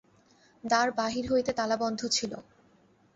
দ্বার বাহির হইতে তালাবন্ধ ছিল।